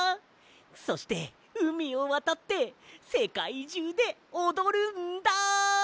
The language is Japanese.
そしてうみをわたってせかいじゅうでおどるんだ！